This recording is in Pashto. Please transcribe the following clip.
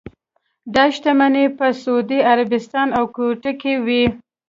دا شتمنۍ په سعودي عربستان او کویټ کې وې.